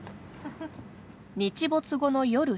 日没後の夜７時。